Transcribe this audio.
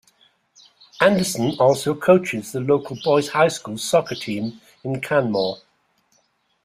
Anderson also coaches the local boys high school soccer team in Canmore.